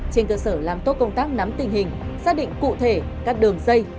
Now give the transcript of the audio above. trên cơ sở làm tốt công tác nắm tình hình xác định cụ thể các đường dây